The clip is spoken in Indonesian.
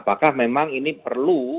maka memang ini perlu